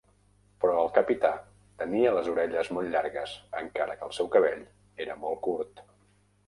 Però el capità tenia les orelles molt llargues encara que el seu cabell era molt curt.